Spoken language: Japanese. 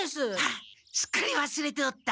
ああすっかりわすれておった！